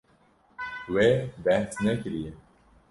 Wê behs nekiriye.